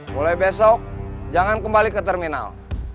mulai besok jangan kembali ke terminal